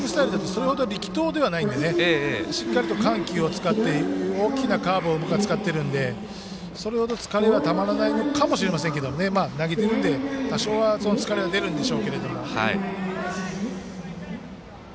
こういったピッチングスタイルでもそれほど力投ではないのでしっかりと緩急を使って大きなカーブを使っているのでそれほど疲れはたまらないのかもしれませんが投げてるので多少、疲れは出るんでしょうが。